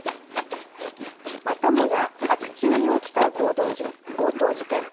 またもや白昼に起きた強盗事件。